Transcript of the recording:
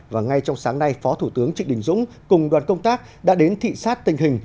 và ngay trong sáng nay phó thủ tướng trịnh đình dũng cùng đoàn công tác đã đến thị xát tình hình